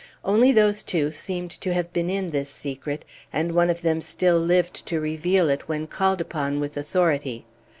Only those two seemed to have been in this secret, and one of them still lived to reveal it when called upon with authority.